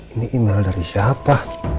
ini email dari siapa